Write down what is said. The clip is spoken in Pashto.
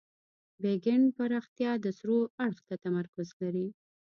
بیک اینډ پراختیا د سرور اړخ ته تمرکز لري.